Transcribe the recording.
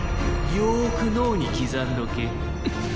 よーく脳に刻んどけ。